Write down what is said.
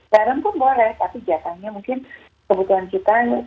garam pun boleh tapi jatahnya mungkin kebutuhan kita